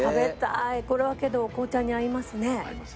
これはけど紅茶に合いますね。